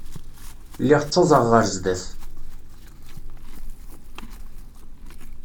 Lliɣ ttaẓeɣ ɣer sdat.